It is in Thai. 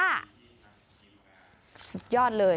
สุดยอดเลย